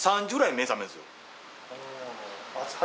目覚めるんですよ。